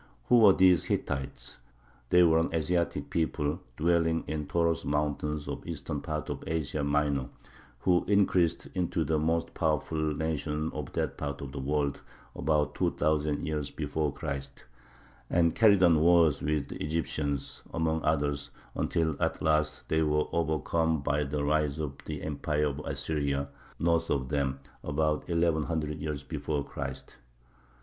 Who were these Hittites? They were an Asiatic people, dwelling in the Taurus Mountains of the eastern part of Asia Minor, who increased into the most powerful nation of that part of the world about two thousand years before Christ, and carried on wars with the Egyptians, among others, until at last they were overcome by the rise of the empire of Assyria, north of them, about eleven hundred years before Christ.